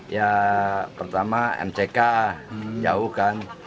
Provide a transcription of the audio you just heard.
ya pertama mck jauh kan